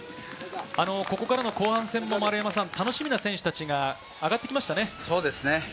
ここから後半戦も楽しみな選手たちが上がってきましたね。